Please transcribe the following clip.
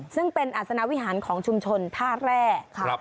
ซึ่งเป็นอัศนาวิหารของชุมชนท่าแร่